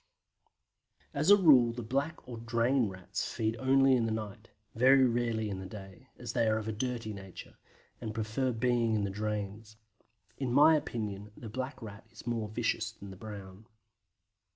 As a rule the Black or Drain Rats feed only in the night, very rarely in the day, as they are of a dirty nature, and prefer being in the drains. In my opinion the Black Rat is more vicious than the Brown.